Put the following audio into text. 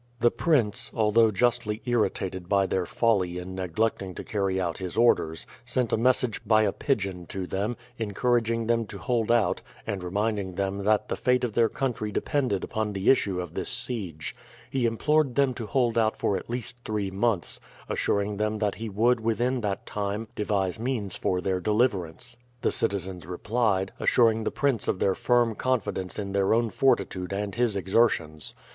The prince, although justly irritated by their folly in neglecting to carry out his orders, sent a message by a pigeon to them, encouraging them to hold out, and reminding them that the fate of their country depended upon the issue of this siege. He implored them to hold out for at least three months, assuring them that he would within that time devise means for their deliverance. The citizens replied, assuring the prince of their firm confidence in their own fortitude and his exertions.